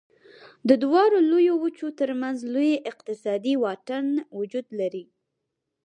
د دواړو لویو وچو تر منځ لوی اقتصادي واټن وجود لري.